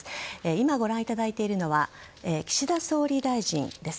今ご覧いただいているのは岸田総理大臣です。